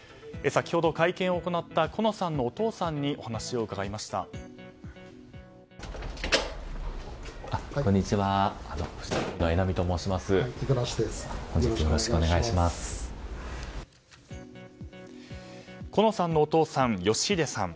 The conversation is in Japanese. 先ほど、会見を行った好乃さんのお父さんにお話を伺いました。